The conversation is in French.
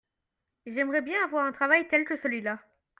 J'aimerais bien avoir un travail tel que celui-là.